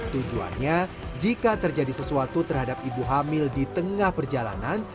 tujuannya jika terjadi sesuatu terhadap ibu hamil di tengah perjalanan